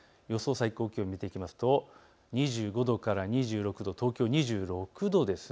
最高気温を見ていきますと２５度から２６度、東京２６度です。